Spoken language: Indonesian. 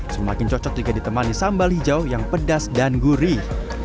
semakin cocok jika ditemani sambal hijau yang pedas dan gurih